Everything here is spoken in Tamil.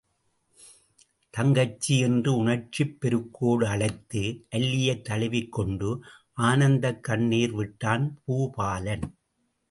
தங்கச்சி என்று உணர்ச்சிப் பெருக்கோடு அழைத்து, அல்லியைத் தழுவிக் கொண்டு ஆனந்தக் கண்ணிர் விட்டான் பூபாலன்.